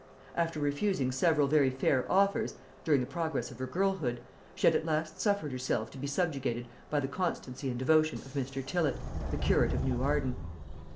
After refusing several very fair offers, during the progress of her girlhood, she had at last suffered herself to be subjugated by the constancy and devotion of Mr. Tillott, the curate of New Arden.